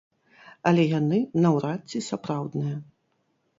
Але яны наўрад ці сапраўдныя.